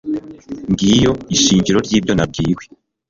ngiyo ishingiro ryibyo nabwiwe